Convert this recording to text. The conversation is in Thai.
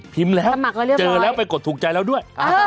สมัครแล้วเจอแล้วไปกดถูกใจแล้วด้วย